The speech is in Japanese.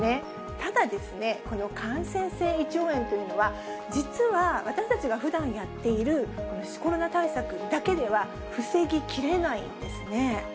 ただ、この感染性胃腸炎というのは、実は私たちがふだんやっているコロナ対策だけでは防ぎきれないんですね。